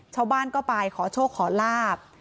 ชาวบ้านก็ไปขอโชคขอลาบ